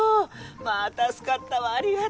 まぁ助かったわありがとう。